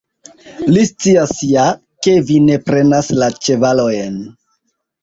Li scias ja, ke vi ne prenas la ĉevalojn.